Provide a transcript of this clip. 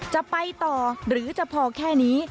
จะไปต่อหรือจะพอแค่นี้